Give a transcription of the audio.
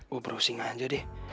gue browsing aja deh